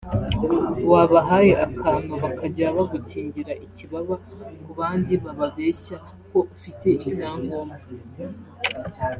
wabahaye akantu bakajya bagukingira ikibaba ku bandi bababeshya ko ufite ibyangombwa